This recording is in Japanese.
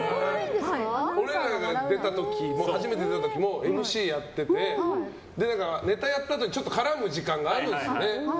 俺らが初めて出た時もＭＣやっててネタやったあとに絡む時間があるんですよね。